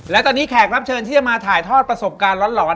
และตอนนี้แขกรับเชิญที่จะมาถ่ายทอดประสบการณ์หลอน